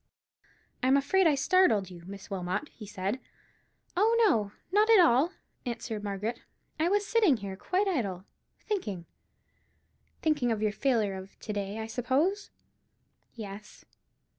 "I am afraid I startled you, Miss Wilmot," he said. "Oh, no; not at all," answered Margaret; "I was sitting here, quite idle, thinking——" "Thinking of your failure of to day, I suppose?" "Yes."